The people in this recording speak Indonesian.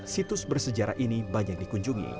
situs bersejarah ini banyak dikunjungi